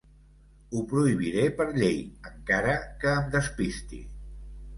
Ho prohibiré per llei encara que em despisti.